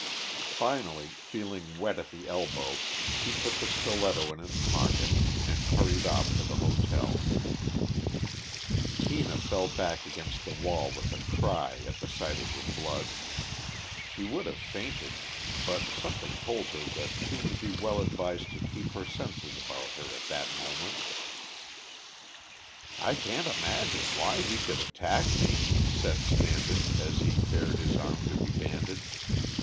Finally, feeling wet at the elbow, he put the stiletto in his pocket and hurried off to the hotel. [Illustration: WIPING ITS BLADE ON THE CLOTHES OF THE PROSTRATE MAN] Tina fell back against the wall with a cry at the sight of the blood. She would have fainted, but something told her that she would be well advised to keep her senses about her at that moment. "I can't imagine why he should attack me," said Standish, as he bared his arm to be bandaged.